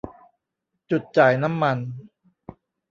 จุดจ่ายน้ำมัน